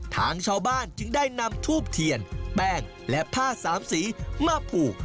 ทางชาวบ้านจึงได้นำทูบเทียนแป้งและผ้าสามสีมาผูก